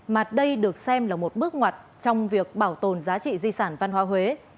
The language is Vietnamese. mà đây được xem là một bước ngoặt trong việc bảo tồn giá trị di sản văn hóa huế